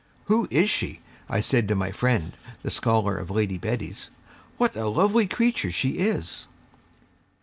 'Who is she?' I said to my friend, the scholar of Lady Betty's; 'what a lovely creature she is!'